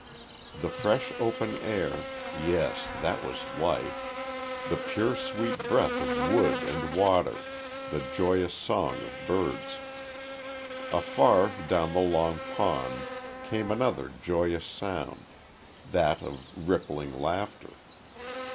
The fresh open air yes, that was life the pure sweet breath of wood and water, the joyous song of birds. Afar down the long pond, came another joyous sound, that of rippling laughter.